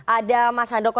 ada mas handoko